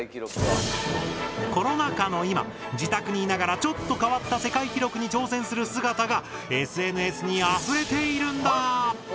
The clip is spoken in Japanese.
コロナ禍の今自宅にいながらちょっと変わった世界記録に挑戦する姿がＳＮＳにあふれているんだ。